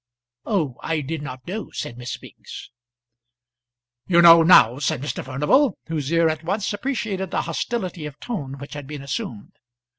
"Oh, I did not know," said Miss Biggs. "You know now," said Mr. Furnival, whose ear at once appreciated the hostility of tone which had been assumed.